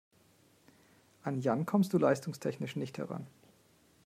An Jan kommst du leistungstechnisch nicht heran.